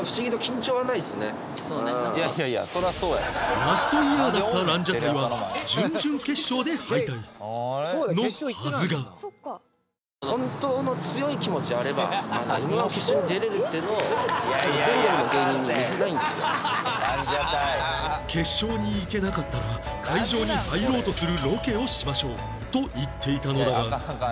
ラストイヤーだったランジャタイは決勝に行けなかったら会場に入ろうとするロケをしましょうと言っていたのだが